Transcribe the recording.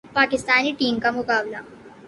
Pakistani team کا مقابلہ